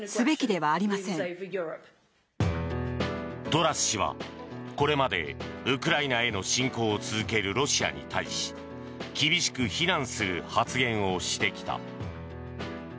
トラス氏はこれまでウクライナへの侵攻を続けるロシアに対し厳しく非難する発言をしてきた。